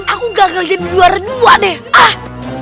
aku gagal jadi juara dua deh